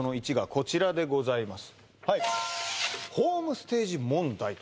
こちらでございます